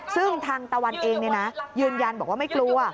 ซึ่งทางตะวันเองยืนยันบอกว่าไม่กลัว